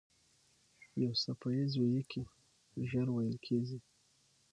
یو څپه ایز ويیکی ژر وېل کېږي.